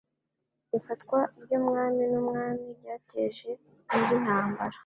Ifatwa ry'umwami n'umwami ryateje indi ntambara